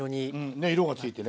ね色がついてね